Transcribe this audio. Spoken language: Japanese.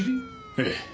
ええ。